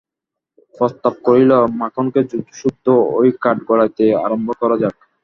প্রস্তাব করিল, মাখনকে সুদ্ধ ঐ কাঠ গড়াইতে আরম্ভ করা যাক।